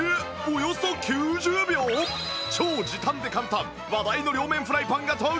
超時短で簡単話題の両面フライパンが登場